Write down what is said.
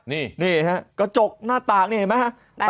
นี่ฮะกระจกหน้าต่างนี่เห็นไหมฮะ